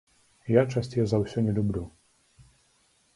Я, часцей за ўсё, не люблю.